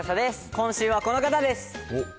今週はこの方です。